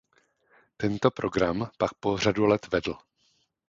Tento program pak po řadu let vedl.